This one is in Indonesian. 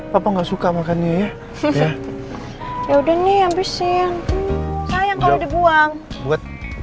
papa nggak suka makannya ya udah nih habisin sayang kalau dibuang buat